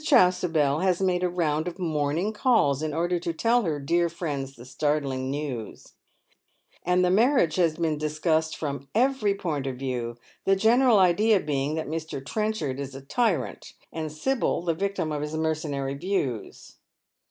Chasubel has made a round of morning calls in order to tell her dear friends the startling news, and the mairiage has been discussed from eveiy point of view, the general idea being that Mr. Trenchard is a tyrant, and Sibyl the victim of his mercenary views.